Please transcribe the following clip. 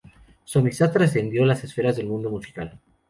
Su amistad trascendió las esferas del mundo musical.